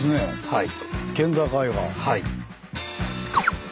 はい。